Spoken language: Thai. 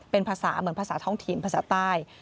เป็นภาษาเหมือนภาษาท้องถิ่นภาษาใต้